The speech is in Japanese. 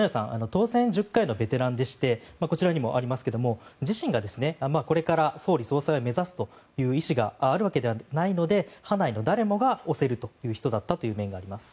当選１０回のベテランでしてこちらにもありますが自身がこれから総理・総裁を目指すという意思があるわけではないので派内の誰もが推せるという面だったということがあります。